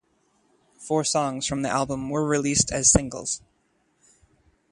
Four songs from the album were released as singles.